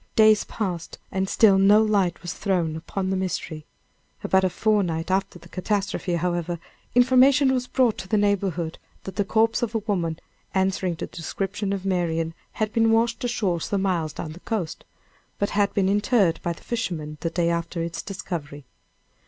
Days passed and still no light was thrown upon the mystery. About a fortnight after the catastrophe, however, information was brought to the neighborhood that the corpse of a woman, answering to the description of Marian, had been washed ashore some miles down the coast, but had been interred by the fishermen, the day after its discovery.